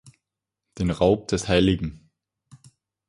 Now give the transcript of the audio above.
Den Raub des hl.